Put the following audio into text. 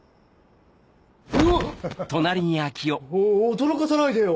驚かさないでよ！